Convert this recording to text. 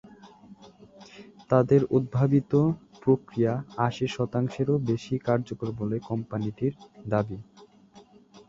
তাদের উদ্ভাবিত প্রক্রিয়া আশি শতাংশেরও বেশি কার্যকর বলে কোম্পানিটির দাবি।